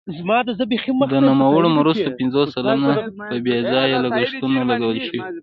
د نوموړو مرستو پنځوس سلنه په بې ځایه لګښتونو لګول شوي.